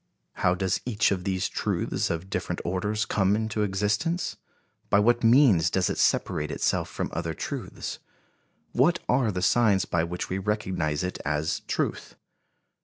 How does each of these truths of different orders come into existence? By what means does it separate itself from other truths? What are the signs by which we recognize it as truth?